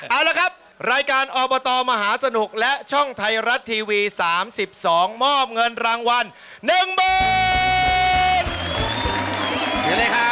เอาละครับรายการอบตมหาสนุกและช่องไทยรัฐทีวี๓๒มอบเงินรางวัล๑หมื่น